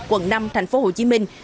quận năm thành phố hồ chí minh